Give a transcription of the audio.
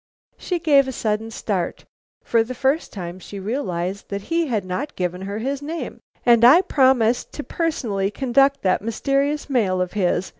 She gave a sudden start. For the first time she realized that he had not given her his name. "And I promised to personally conduct that mysterious mail of his!"